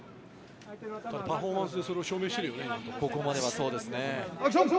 パフォーマンスでそれを証明してるよね。